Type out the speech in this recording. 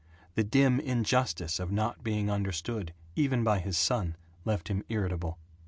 The dim injustice of not being understood even by his son left him irritable.